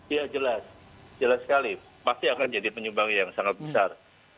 ya jelas jelas sekali pasti akan jadi penyumbang yang sangat besar